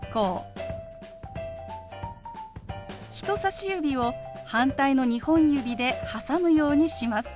人さし指を反対の２本指で挟むようにします。